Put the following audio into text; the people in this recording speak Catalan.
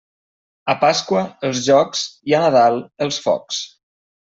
A Pasqua els jocs i a Nadal els focs.